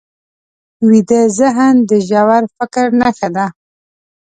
ویده ذهن د ژور فکر نښه ده